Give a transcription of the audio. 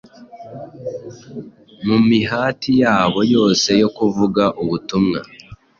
Mu mihati yabo yose yo kuvuga ubutumwa,